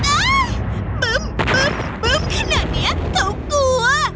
อ๊าปึ้มขนาดนี้เกา่ากลัว